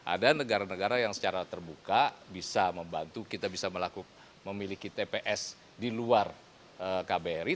ada negara negara yang secara terbuka bisa membantu kita bisa melakukan memiliki tps di luar kbri